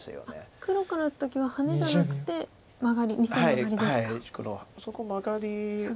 黒から打つ時はハネじゃなくてマガリ２線マガリですか。